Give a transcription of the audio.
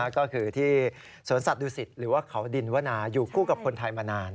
ก็คือที่สวนสัตว์ดูสิตหรือว่าเขาดินวนาอยู่คู่กับคนไทยมานาน